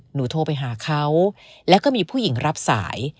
โทรไปหาเขาแล้วก็มีผู้หญิงรับสาย